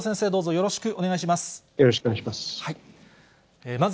よろしくお願いします。